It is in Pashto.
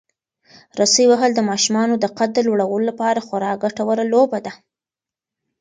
رسۍ وهل د ماشومانو د قد د لوړولو لپاره خورا ګټوره لوبه ده.